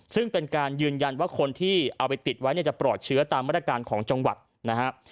ซึ่งเป็นการยืนยันว่าคนที่เอาไปติดไว้เนี่ยจะปลอดเชื้อตามมาตรการของจังหวัดนะฮะ